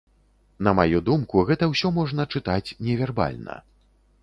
На маю думку, гэта ўсё можна чытаць невербальна.